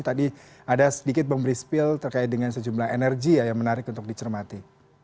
tadi ada sedikit memberi spill terkait dengan sejumlah energi ya yang menarik untuk dicermati